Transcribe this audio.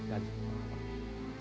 dan semua orang lainnya